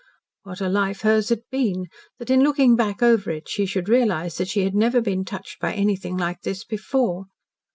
What a life hers had been that in looking back over it she should realise that she had never been touched by anything like this before!